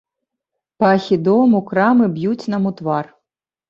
Пахі дому, крамы б'юць нам у твар.